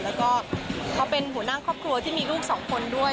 แล้วก็เขาเป็นหัวหน้าครอบครัวที่มีลูกสองคนด้วย